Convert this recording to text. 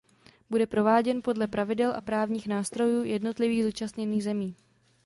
Bude prováděn podle pravidel a právních nástrojů jednotlivých zúčastněných zemí.